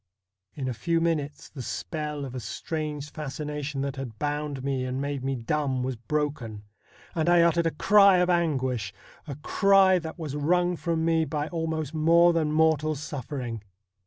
In a few minutes the spell of a strange fascination that had bound me and made me dumb was broken, and I uttered a cry of anguish — a cry that was wrung from me by almost more than mortal suffering.